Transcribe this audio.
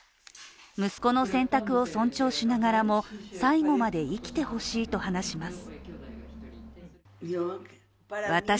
息子の選択を尊重しながらも最後まで生きてほしいと話します。